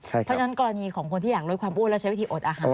เพราะฉะนั้นกรณีของคนที่อยากลดความอ้วนแล้วใช้วิธีอดอาหาร